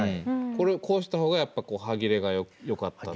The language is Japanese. これをこうした方がやっぱ歯切れがよかった？